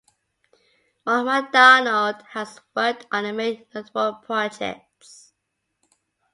Mott MacDonald has worked on many notable projects.